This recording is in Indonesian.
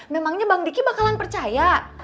memangnya bang diki bakalan percaya